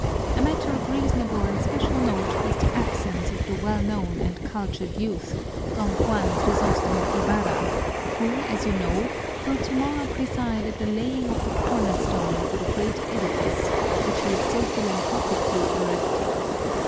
A matter of reasonable and special note was the absence of the well known and cultured youth, Don Juan Crisostomo Ibarra, who, as you know, will tomorrow preside at the laying of the corner stone for the great edifice which he is so philanthropically erecting.